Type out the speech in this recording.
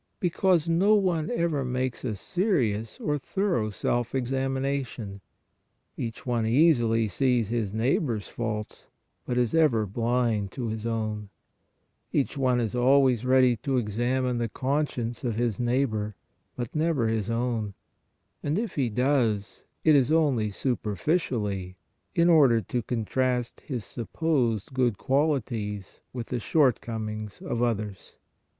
Be cause no one ever makes a serious or thorough self examination; each one easily sees his neighbor s faults, but is ever blind to his own; each one is al ways ready to examine the conscience of his neigh bor, but never his own, and if he does, it is only superficially in order to contrast his supposed good qualities with the shortcomings of others.